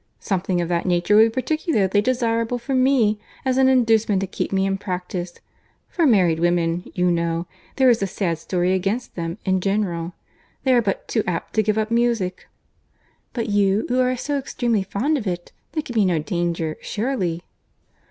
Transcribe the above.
Something of that nature would be particularly desirable for me, as an inducement to keep me in practice; for married women, you know—there is a sad story against them, in general. They are but too apt to give up music." "But you, who are so extremely fond of it—there can be no danger, surely?"